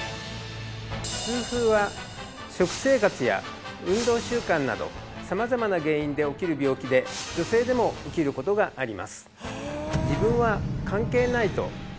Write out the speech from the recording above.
痛風は食生活や運動習慣など様々な原因で起きる病気で女性でも起きることがあります